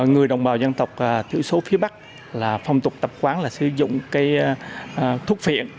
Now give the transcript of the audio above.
người đồng bào dân tộc thiểu số phía bắc là phòng tục tập quán là sử dụng thuốc phiện